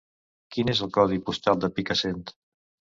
Quin és el codi postal de Picassent?